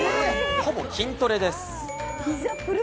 ほぼ筋トレです。